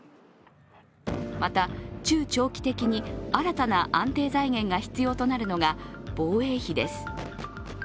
また中長期的に新たな安定財源が必要となるのが防衛費です。